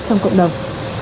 trong cộng đồng